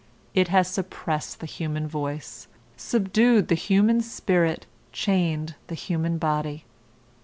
It has suppressed the human voice, subdued the human spirit, chained the human body.